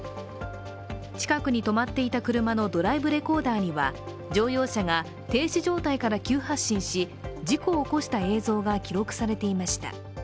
近くに止まっていた車のドライブレコーダーには乗用車が停止状態から急発進し、事故を起こした映像が記録されていました。